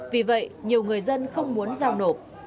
vì vậy nhiều người dân không muốn giao nộp